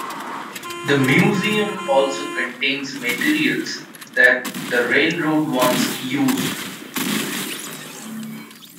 The museum also contains materials that the railroad once used.